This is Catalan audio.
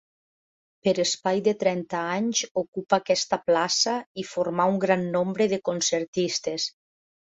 Per espai de trenta anys ocupa aquesta plaça i formà un gran nombre de concertistes.